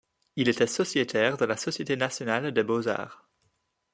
Il était sociétaire de la Société nationale des beaux-arts.